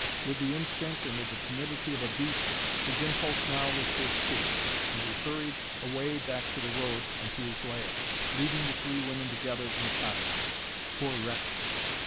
With the instinct and with the timidity of a beast, his impulse now was to escape, and he hurried away back to the road and to his lair, leaving the three women together in the cottage. Poor wretch!